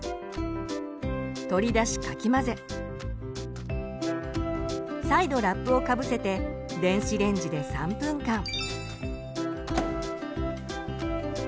取り出しかき混ぜ再度ラップをかぶせて電子レンジで３分間。